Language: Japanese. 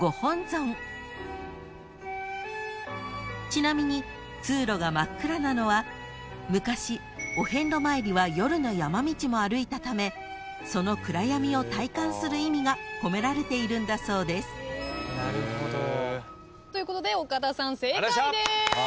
［ちなみに通路が真っ暗なのは昔お遍路参りは夜の山道も歩いたためその暗闇を体感する意味が込められているんだそうです］ということで岡田さん正解です。